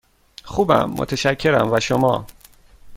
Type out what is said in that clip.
خوبم، متشکرم، و شما؟